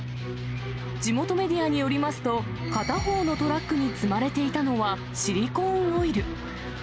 地元メディアによりますと、片方のトラックに積まれていたのはシリコーンオイル。